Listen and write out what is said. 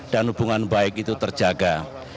dan hubungan baik itu terjaga